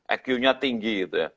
eq nya tinggi gitu ya